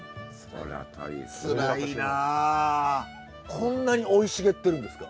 こんなに生い茂ってるんですか。